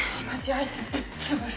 あいつぶっつぶす！